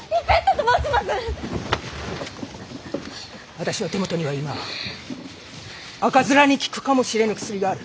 私の手元には今赤面に効くかもしれぬ薬がある。